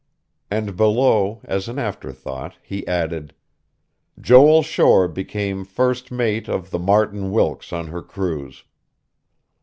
'" And below, as an afterthought, he added: "Joel Shore became first mate of the Martin Wilkes on her cruise."